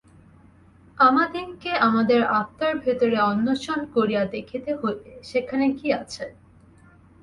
আমাদিগকে আমাদের আত্মার ভিতরে অন্বেষণ করিয়া দেখিতে হইবে, সেখানে কি আছে।